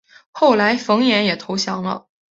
后来冯衍也投降了。